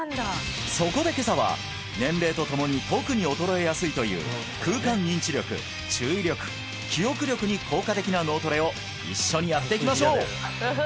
そこで今朝は年齢とともに特に衰えやすいという空間認知力注意力記憶力に効果的な脳トレを一緒にやっていきましょう！